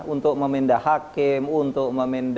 untuk memindah hakim untuk